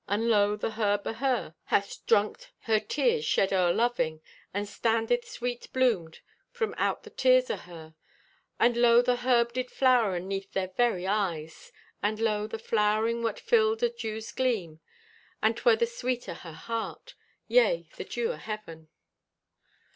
And lo, the herb o' her hath drunked her tears shed o' loving, and standeth sweet bloomed from out the tears o' her.' "And lo, the herb did flower aneath their very eyes. And lo, the flowering wert fulled o' dews gleam, and 'twer the sweet o' her heart, yea, the dew o' heaven."